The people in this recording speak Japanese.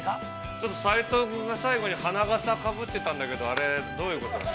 ◆ちょっと斎藤君が最後に花笠かぶってたんだけど、あれ、どういうこと？